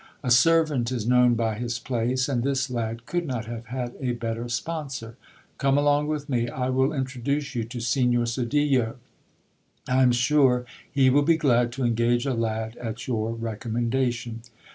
A servant is known by his place, and this lad could not have had a better sponsor. Come along with me ; I will introduce you to Signor Sedillo. I am sure he will be glad to engage a lad at your recommendation.